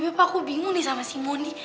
ihh bebep aku bingung nih sama si mondi